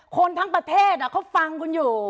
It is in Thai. คนทั้งประเทศเขาฟังคุณอยู่